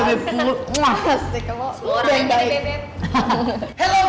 thank you bebep